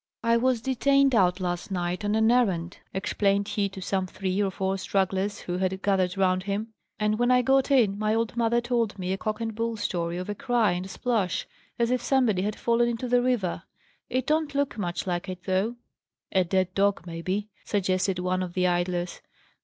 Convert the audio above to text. "I was detained out last night on an errand," explained he to some three or four stragglers who had gathered round him, "and when I got in, my old mother told me a cock and bull story of a cry and a splash, as if somebody had fallen into the river. It don't look much like it, though." "A dead dog, maybe," suggested one of the idlers.